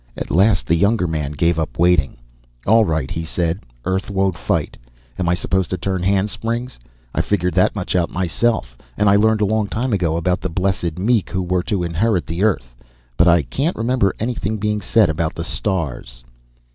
At last, the younger man gave up waiting. "All right," he said. "Earth won't fight! Am I supposed to turn handsprings? I figured that much out myself. And I learned a long time ago about the blessed meek who were to inherit the Earth but I can't remember anything being said about the stars!"